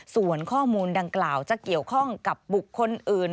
ส่วนข้อมูลดังกล่าวจะเกี่ยวข้องกับบุคคลอื่น